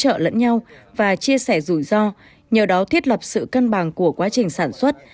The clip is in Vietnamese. hợp tác nhau và chia sẻ rủi ro nhờ đó thiết lập sự cân bằng của quá trình sản xuất